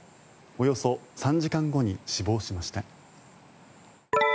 およそ３時間後に死亡しました。